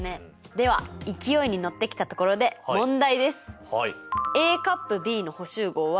では勢いに乗ってきたところで問題です。